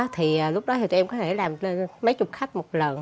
thì lúc đó thì tụi em có thể làm mấy chục khách một lần